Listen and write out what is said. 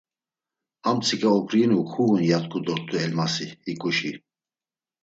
Amtsika oǩriinu kuğun ya t̆ǩu dort̆u Elmasi, hiǩuşi.